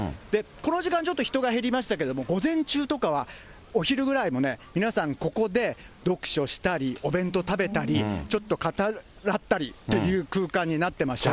この時間、ちょっと人が減りましたけども、午前中とかは、お昼ぐらいもね、皆さんここで読書したり、お弁当食べたり、ちょっと語らったりっていう空間になっていましたね。